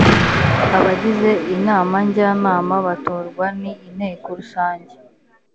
abagize inama njyanama batorwa ni inteko rusange